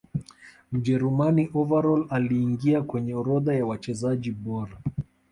mjerumani overall aliingia kwenye orodha ya wachezaji bora